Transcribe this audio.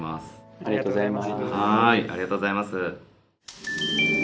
ありがとうございます。